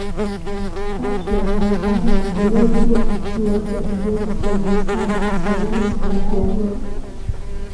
Castro alipanga shambulio dhidi ya kituo cha kijeshi cha Moncada akaribu na Santiago